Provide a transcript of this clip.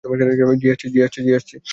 জি, আসছি।